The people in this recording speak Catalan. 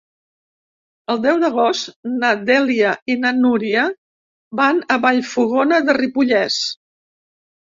El deu d'agost na Dèlia i na Núria van a Vallfogona de Ripollès.